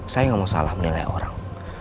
saya nggak mau salah menilai orang